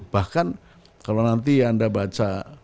bahkan kalau nanti anda baca